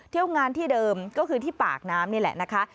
เที่ยวงานที่เดิมก็คือที่ปากน้ำนี่แหละนะคะ